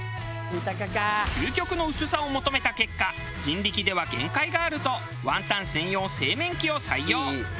究極の薄さを求めた結果人力では限界があるとワンタン専用製麺機を採用。